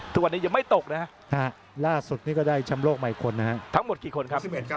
ถ้าวันนี้ยังไม่ตกนะครับฮะล่าสุดนี่ก็ได้ชำโลกใหม่คนนะครับทั้งหมดกี่คนครับ